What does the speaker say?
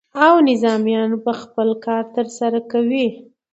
او نظامیان به خپل کار ترسره کوي.